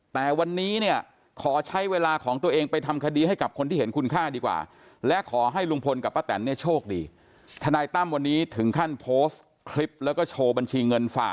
แต่วันนี้เนี่ยขอใช้เวลาของตัวเองไปทำคดีให้กับคนที่เห็นคุณค่าดีกว่า